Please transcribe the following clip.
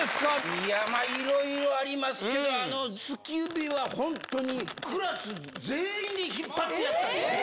いやまあ、いろいろありますけど、あの突き指は本当に、クラス全員で引っ張ってやった。